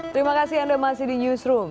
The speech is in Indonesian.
terima kasih anda masih di newsroom